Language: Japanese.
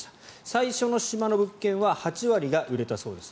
最初の島の物件は８割が売れたそうです。